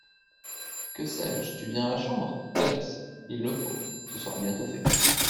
Que sais-je ! Tu viens à la Chambre ? Hélas ! Il le faut ! Ce sera bientôt fait.